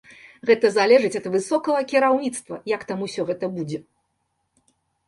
Гэта залежыць ад высокага кіраўніцтва, як там усё гэта будзе.